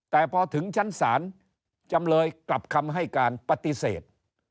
แต่พอถึงชั้นศาลจำเลยกลับคำให้การปฏิเสธ